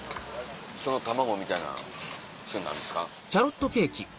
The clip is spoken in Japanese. その卵みたいなそれ何ですか？